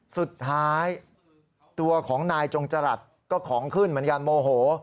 สุดท้ายตัวของนายจงจรัสก็ของขึ้นเหมือนกันโมโห